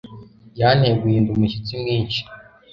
Yanteye guhinda umushyitsi mwinshi